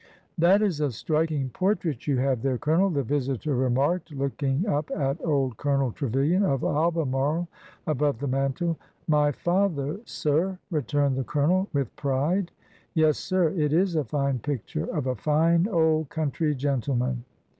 '' That is a striking portrait you have there, Colonel," the visitor remarked, looking up at old Colonel Trevilian of Albemarle above the mantle. '' My father, sir," returned the Colonel, with pride. '' Yes, sir, it is a fine picture— of a fine old country gen tleman."